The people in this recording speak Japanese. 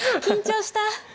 緊張した。